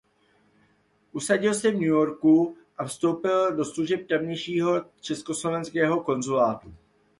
Usadil se v New Yorku a vstoupil do služeb tamějšího československého konzulátu.